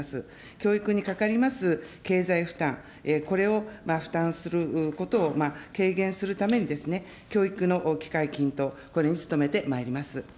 教育にかかります経済負担、これを負担することを軽減するためにですね、教育の機会均等、これに努めてまいります。